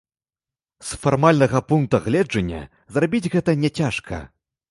З фармальнага пункта гледжання зрабіць гэта няцяжка.